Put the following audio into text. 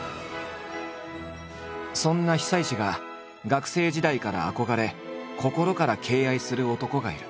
そんな久石が学生時代から憧れ心から敬愛する男がいる。